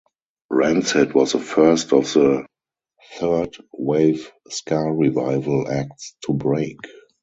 Rancid was the first of the "Third Wave Ska Revival" acts to break.